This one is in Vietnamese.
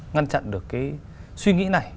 ngăn chặn được cái suy nghĩ này